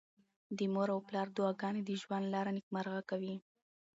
د مور او پلار دعاګانې د ژوند لاره نېکمرغه کوي.